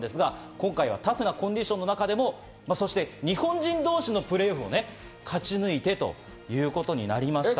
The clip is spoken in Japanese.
今回はタフなコンディションの中でも、そして日本人同士のプレーオフを勝ち抜いてということになりました。